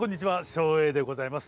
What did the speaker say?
照英でございます。